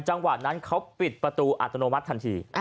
จังหวะนั้นเขาปิดประตูอัตโนมัติทันที